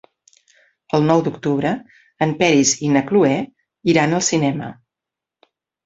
El nou d'octubre en Peris i na Cloè iran al cinema.